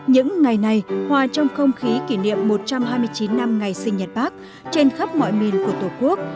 những ngày này hòa trong không khí kỷ niệm một trăm hai mươi chín năm ngày sinh nhật bác trên khắp mọi miền của tổ quốc